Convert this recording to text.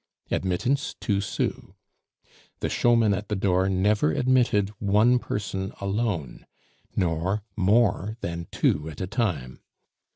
Admittance, two sous." The showman at the door never admitted one person alone, nor more than two at a time.